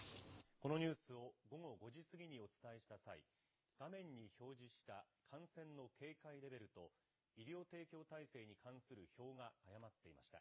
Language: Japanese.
このニュースを午後５時過ぎにお伝えした際、画面に表示した感染の警戒レベルと、医療提供体制に関する表が誤っていました。